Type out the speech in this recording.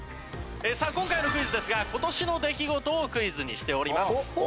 さあ今回のクイズですが今年の出来事をクイズにしております。